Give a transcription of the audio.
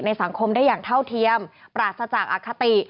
สังคมได้อย่างเท่าเทียมปราศจากอคติ